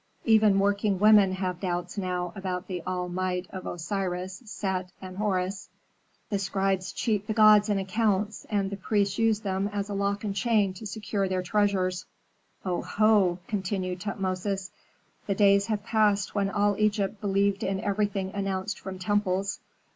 Even working women have doubts now about the all might of Osiris, Set, and Horus; the scribes cheat the gods in accounts, and the priests use them as a lock and chain to secure their treasures." "Oho!" continued Tutmosis; "the days have passed when all Egypt believed in everything announced from temples.